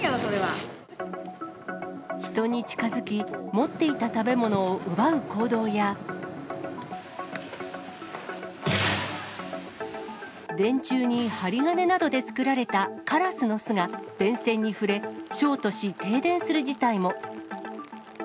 人に近づき、持っていた食べ物を奪う行動や、電柱に針金などで作られたカラスの巣が、電線に触れ、ショートし、停電する事態も。